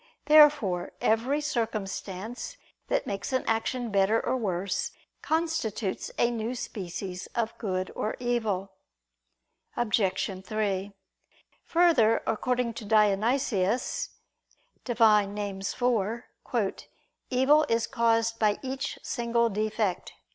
Therefore every circumstance that makes an action better or worse, constitutes a new species of good or evil. Obj. 3: Further, according to Dionysius (Div. Nom. iv), "evil is caused by each single defect."